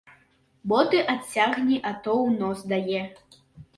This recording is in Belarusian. Боты адцягні, а то ў нос дае.